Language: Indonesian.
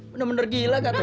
benar benar gila gatuh